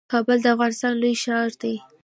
کابل د افغانستان لوی ښار دئ